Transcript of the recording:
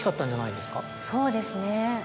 そうですね。